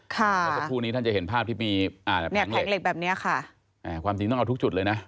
ค่ะแผงเหล็กแบบนี้ค่ะความจริงต้องเอาทุกจุดเลยนะ